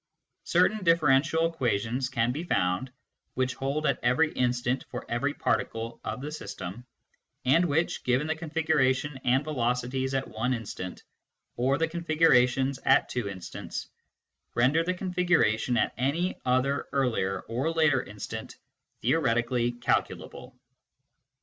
Certain differential equations can be found, which hold at every instant for every particle of the system, and which, given the configuration and velocities at one instant, or the configurations at two instants, render the configuration at any other earlier or later instant theoretically calculable.